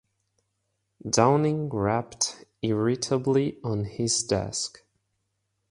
Downing rapped irritably on his desk.